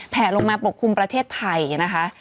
แผลลงมาปกคลุมประเทศไทยนะคะ